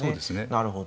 なるほど。